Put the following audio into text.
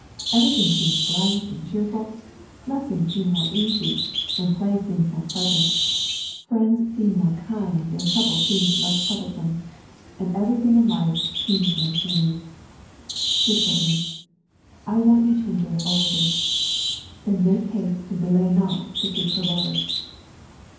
Everything seems bright and cheerful; lessons seem more easy, and play seems more pleasant; friends seem more kind, and trouble seems less troublesome ; and every thing in life seems more smooth. Dear children, I want you to enjoy all this. Then make haste and delay not to seek the Lord.